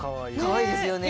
かわいいですよね。